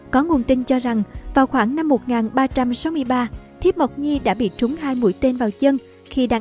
có nguồn tin cho rằng vào khoảng năm một nghìn ba trăm sáu mươi ba thiếp mộc nhi đã bị trúng hai mũi tên vào chân khi đặt